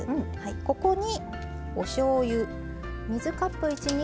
ここにおしょうゆ。